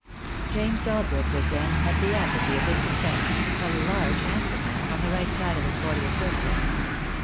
James Dalbrook was then at the apogee of his success, a large handsome man on the right side of his fortieth birthday.